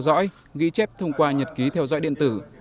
người tình nguyện được tự theo dõi ghi chép thông qua nhật ký theo dõi điện tử